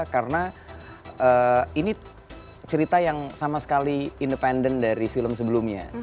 karena ini cerita yang sama sekali independent dari film sebelumnya